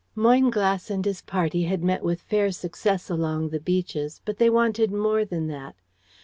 "Moynglass and his party had met with fair success along the beaches, but they wanted more than that.